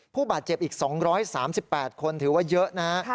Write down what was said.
ผู้บาดเจ็บอีก๒๓๘คนถือว่าเยอะนะฮะ